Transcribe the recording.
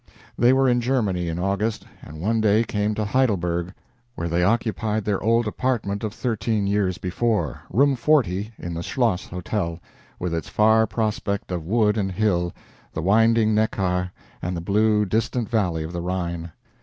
They were in Germany in August, and one day came to Heidelberg, where they occupied their old apartment of thirteen years before, room forty, in the Schloss Hotel, with its far prospect of wood and hill, the winding Neckar, and the blue, distant valley of the Rhine.